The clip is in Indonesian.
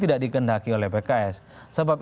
tidak dikendaki oleh pks sebab